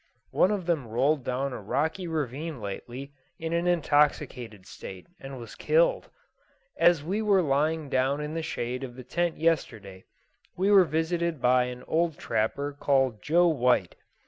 One of them rolled down a rocky ravine lately, in an intoxicated state, and was killed. As we were lying down in the shade of the tent yesterday, we were visited by an old trapper called Joe White.